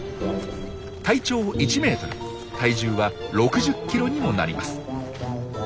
体長１ｍ体重は６０ｋｇにもなります。